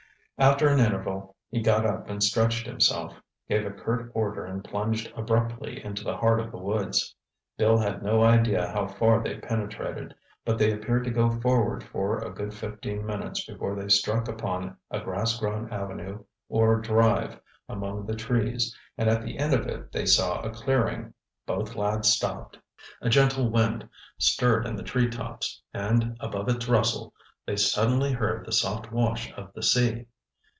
After an interval he got up and stretched himself, gave a curt order and plunged abruptly into the heart of the woods. Bill had no idea how far they penetrated, but they appeared to go forward for a good fifteen minutes before they struck upon a grassgrown avenue or drive among the trees, and at the end of it they saw a clearing. Both lads stopped. A gentle wind stirred in the tree tops, and above its rustle, they suddenly heard the soft wash of the sea.